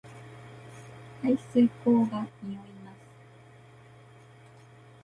排水溝が臭います